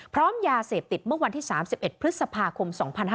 พร้อมยาเสพติดเมื่อวันที่๓๑พฤษภาคม๒๕๕๙